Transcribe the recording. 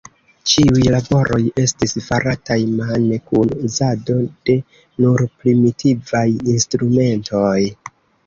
Ĉiuj laboroj estis farataj mane kun uzado de nur primitivaj instrumentoj.